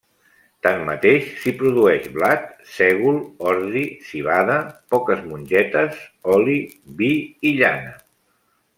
Tanmateix, s'hi produeix blat, sègol, ordi, civada, poques mongetes, oli, vi i llana.